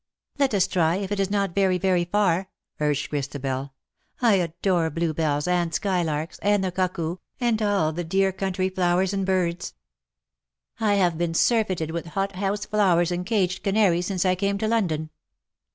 ''^^' Let us try, if it is not very, very far,^' urged Christabel. ^^ I adore bluebells, and skylarks, and IN SOCIETY. 159 the cuckoo, and all the dear country flowers and birds. I have been surfeited with hot house flowers and caged canaries since I came to London.